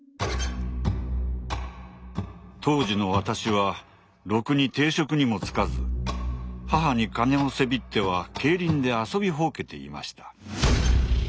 当時の私はろくに定職にも就かず母に金をせびっては競輪で遊びほうけていました。